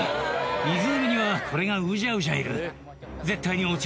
湖にはこれがうじゃうじゃいる。